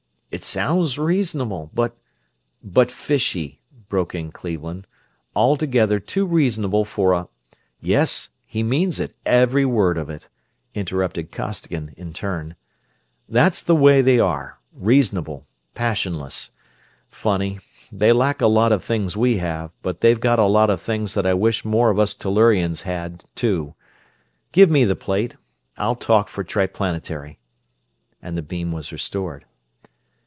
"It sounds reasonable, but...." "But fishy," broke in Cleveland. "Altogether too reasonable for a...." "Yes, he means it; every word of it," interrupted Costigan in turn. "That's the way they are. Reasonable, passionless. Funny they lack a lot of things we have, but they've got a lot of things that I wish more of us Tellurians had too. Give me the plate I'll talk for Triplanetary," and the beam was restored.